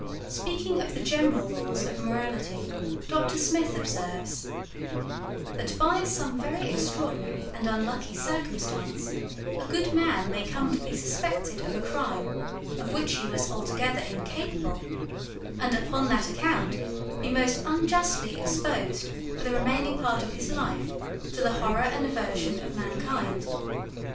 Speaking of the general laws of morality, Dr. Smith observes "That by some very extraordinary and unlucky circumstance, a good man may come to be suspected of a crime of which he was altogether incapable, and upon that account be most unjustly exposed for the remaining part of his life to the horror and aversion of mankind.